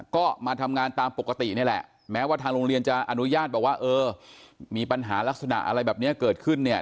ก็มาทำงานตามปกตินี่แหละแม้ว่าทางโรงเรียนจะอนุญาตบอกว่าเออมีปัญหาลักษณะอะไรแบบนี้เกิดขึ้นเนี่ย